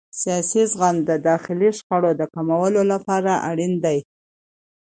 سیاسي زغم د داخلي شخړو د کمولو لپاره اړین دی